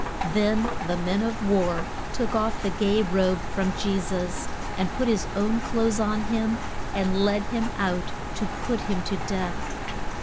Then the men of war took off the gay robe from Je sus, and put his own clothes on him and led him out to put him to death.